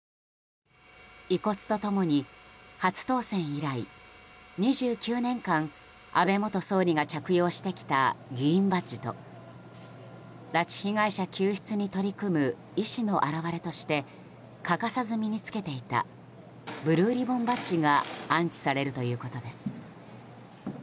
遺骨と共に初当選以来２９年間安倍元総理が着用してきた議員バッジと拉致被害者救出に取り組む意思の表れとして欠かさず身に付けていたブルーリボンバッジが安置されるということです。